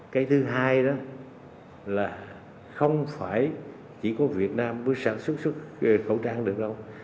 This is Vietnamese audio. cái thứ hai đó là không phải chỉ có việt nam mới sản xuất xuất khẩu trang được đâu